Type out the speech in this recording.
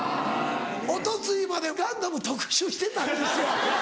一昨日までガンダム特集してたんですよ。